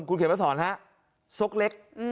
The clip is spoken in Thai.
คุณเขียนมาสอนฮะซกเล็ก